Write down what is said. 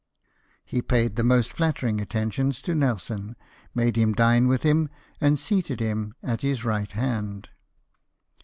He paid the most flattering attentions to Nelson, made him dine with him, and seated him at his right hand.